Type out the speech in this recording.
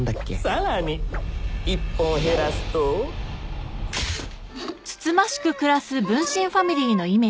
さらに１本減らすといけー！